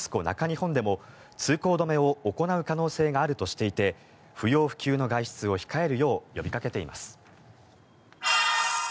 中日本でも通行止めを行う可能性があるとしていて不要不急の外出を控えるよう呼びかけています。